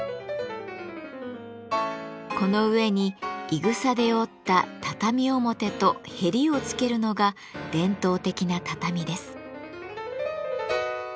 この上にいぐさで織った「畳表」と「へり」を付けるのが伝統的な畳です。